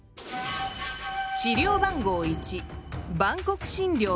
資料番号１。